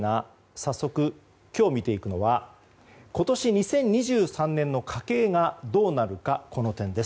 早速、今日見ていくのは今年２０２３年の家計がどうなるかです。